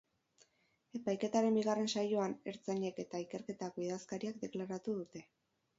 Epaiketaren bigarren saioan, ertzainek eta ikerketako idazkariak deklaratu dute.